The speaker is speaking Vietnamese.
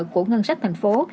của ngân sách thành phố